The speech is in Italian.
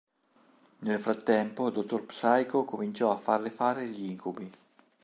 Nel frattempo Dottor Psycho cominciò a farle fare gli incubi.